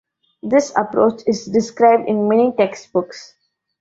This approach is described in many text books.